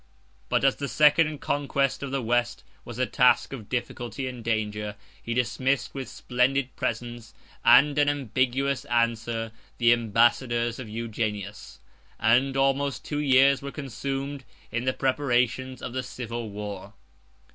But as the second conquest of the West was a task of difficulty and danger, he dismissed, with splendid presents, and an ambiguous answer, the ambassadors of Eugenius; and almost two years were consumed in the preparations of the civil war.